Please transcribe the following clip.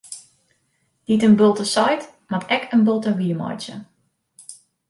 Dy't in bulte seit, moat ek in bulte wiermeitsje.